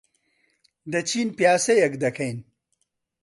دەچین پیاسەیەک دەکەین.